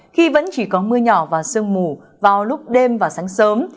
khi vẫn chỉ có mưa nhỏ và sương mù vào lúc đêm và sáng sớm